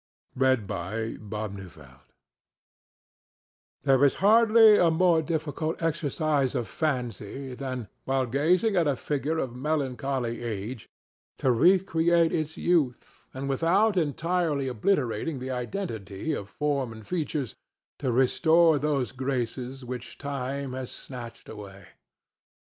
EDWARD FANE'S ROSEBUD There is hardly a more difficult exercise of fancy than, while gazing at a figure of melancholy age, to recreate its youth, and without entirely obliterating the identity of form and features to restore those graces which Time has snatched away.